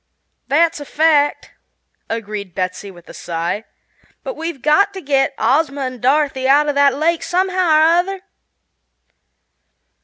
"That's a fact," agreed Betsy with a sigh; "but we've got to get Ozma and Dorothy out of that lake, somehow or other."